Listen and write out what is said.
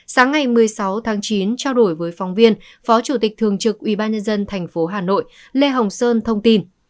sáng ngày một mươi sáu tháng chín trao đổi với phóng viên phó chủ tịch thường trực ubnd tp hà nội lê hồng sơn thông tin